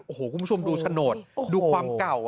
โอ้โหคุณผู้ชมดูโฉนดดูความเก่า